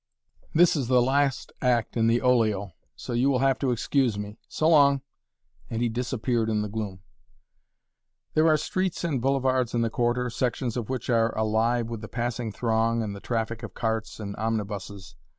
"This is the last act in the olio, so you will have to excuse me. So long!" and he disappeared in the gloom. There are streets and boulevards in the Quarter, sections of which are alive with the passing throng and the traffic of carts and omnibuses.